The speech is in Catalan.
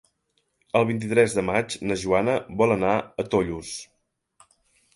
El vint-i-tres de maig na Joana vol anar a Tollos.